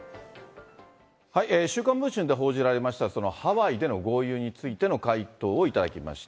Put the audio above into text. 週刊文春で報じられました、ハワイでの豪遊についての回答を頂きました。